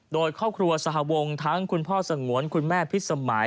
โดยครอบครัวสหวงทั้งคุณพ่อสงวนคุณแม่พิษสมัย